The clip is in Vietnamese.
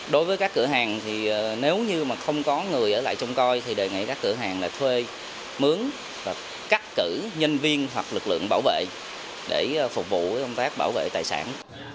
đối với các cửa hàng thì nếu như mà không có người ở lại trông coi thì đề nghị các cửa hàng là thuê mướn và cắt cử nhân viên hoặc lực lượng bảo vệ để phục vụ công tác bảo vệ tài sản